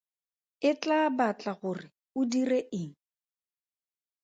E tlaa batla gore o dire eng?